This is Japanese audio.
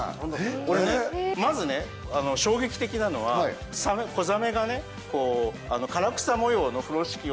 これまず衝撃的なのは子ザメが唐草模様の風呂敷を。